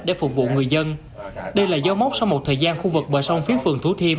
để phục vụ người dân đây là do mốt sau một thời gian khu vực bờ sông phía phường thú thiêm